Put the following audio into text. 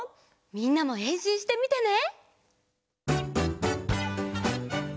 みんなもへんしんしてみてね！